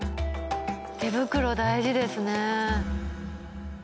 手袋大事ですね。